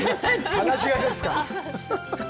放し飼いですか？